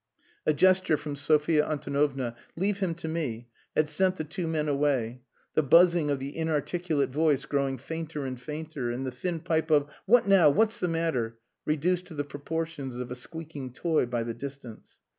A gesture from Sophia Antonovna, "Leave him to me," had sent the two men away the buzzing of the inarticulate voice growing fainter and fainter, and the thin pipe of "What now? what's the matter?" reduced to the proportions of a squeaking toy by the distance.